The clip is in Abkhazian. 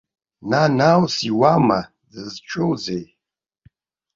Нанааус иуама, дызҿузеи?